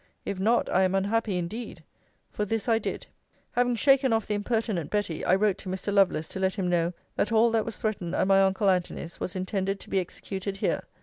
If not, I am unhappy indeed! for this I did. Having shaken off the impertinent Betty, I wrote to Mr. Lovelace, to let him know, 'That all that was threatened at my uncle Antony's, was intended to be executed here.